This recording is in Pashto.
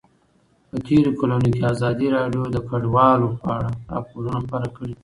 په تېرو کلونو کې ازادي راډیو د کډوال په اړه راپورونه خپاره کړي دي.